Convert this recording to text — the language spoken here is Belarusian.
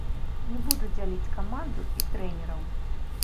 Не буду дзяліць каманду і трэнераў.